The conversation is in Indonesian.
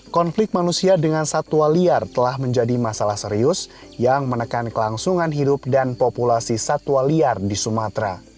konflik manusia dengan satwa liar telah menjadi masalah serius yang menekan kelangsungan hidup dan populasi satwa liar di sumatera